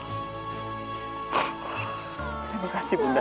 terima kasih bunda